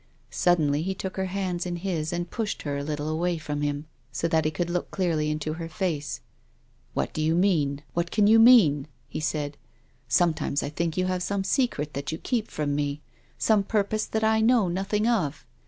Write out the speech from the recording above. Suddenly he took her hands in his and pushed her a little way from him, so that he could look clearly into her face. " What do you mean ? What can you mean ?" he said. " Sometimes I think you have some secret that you keep from me, some purpose that I know nothing of.